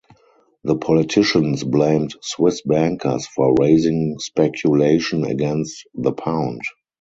The politicians blamed Swiss bankers for raising speculation against the pound.